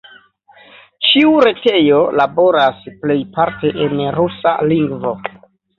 Ĉiu retejo laboras plejparte en rusa lingvo.